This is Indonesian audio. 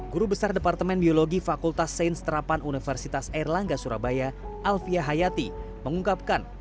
guru besar departemen biologi fakultas sains terapan universitas airlangga surabaya alfiah hayati mengungkapkan